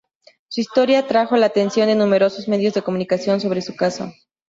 Su historia atrajo la atención de numerosos medios de comunicación sobre su caso.